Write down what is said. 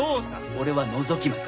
俺はのぞき魔さ。